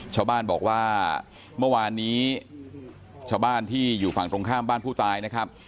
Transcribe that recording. ชาวบ้านบอกว่าเมื่อวานนี้ชาวบ้านที่อยู่ฝั่งตรงข้ามบ้านผู้ตายนะครับ